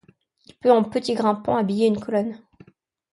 Il peut en petit grimpant habiller une colonne.